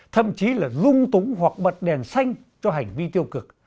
thậm chí rung túng hoặc bật đèn xanh cho hành vi tiêu cực